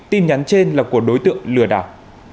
tin nhắn trên là của đối tượng lừa đảo